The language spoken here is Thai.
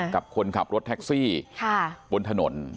กับคนขับรถแท็กซี่บนถนน